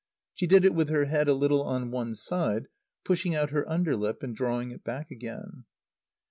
She did it with her head a little on one side, pushing out her underlip and drawing it back again.